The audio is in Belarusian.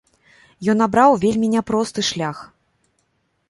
Ён абраў вельмі няпросты шлях.